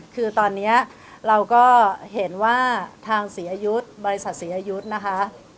คือตอนนี้เราก็เห็นว่าทางศรีอายุบริษัทศรีอายุนะคะ